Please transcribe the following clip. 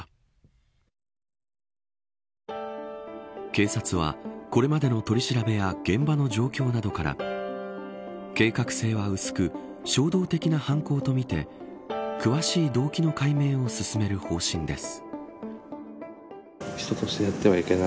警察は、これまでの取り調べや現場の状況などから計画性は薄く衝動的な犯行とみて詳しい動機の解明を進める方針です。